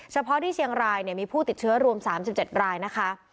เฉพาะที่เชียงรายมีผู้ติดเชื้อรวม๓๗รายนะคะ